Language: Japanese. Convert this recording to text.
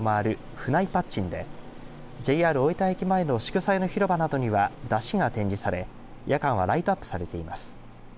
府内戦紙でＪＲ大分駅前の祝祭の広場などには山車が展示され夜間はライトアップされています。